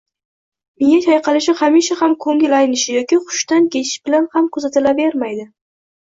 Miya chayqalishi hamisha ham ko‘ngil aynishi yoki hushdan ketish bilan ham kuzatilavermaydi